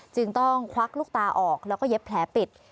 จึงต้องควักลูกตาออกแล้วก็เย็บแผลปิด